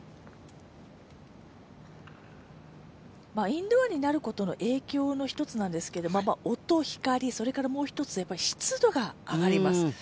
インドアになることの影響の一つなんですけれども、音、光、もう一つ湿度が上がります。